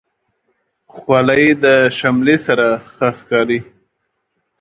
خولۍ د شملې سره ښه ښکاري.